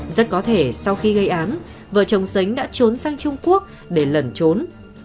rất có thể sau khi gây án vợ chồng sánh đã trốn sang trung quốc để lẩn trốn